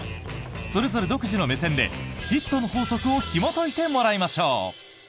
それぞれ独自の目線でヒットの法則をひもといてもらいましょう。